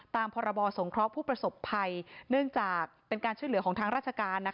ตามพสพภเนื่องจากเป็นการช่วยเหลือของทางราชการ